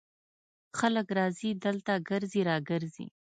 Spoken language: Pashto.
خلک راځي دلته ګرځي را ګرځي.